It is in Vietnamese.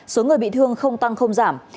số người bị thương không tăng không giảm